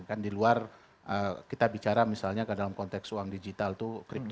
kan di luar kita bicara misalnya ke dalam konteks uang digital itu crypto